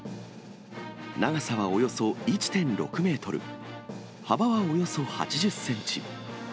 長さはおよそ１．６メートル、幅はおよそ８０センチ。